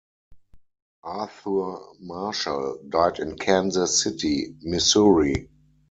Arthur Marshall died in Kansas City, Missouri.